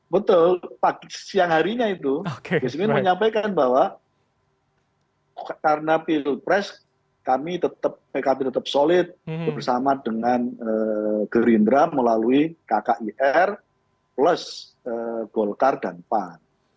betul siang harinya itu presiden menyampaikan bahwa karena pilpres kami tetap pkb tetap solid bersama dengan gerindra melalui kkir plus golkar dan pan